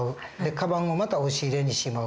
カバンをまた押し入れにしまう。